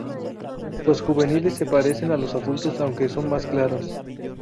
Los juveniles se parecen a los adultos aunque son más claros.